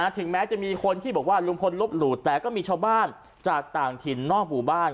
ถึงแม้จะมีคนที่บอกว่าลุงพลลบหลู่แต่ก็มีชาวบ้านจากต่างถิ่นนอกหมู่บ้าน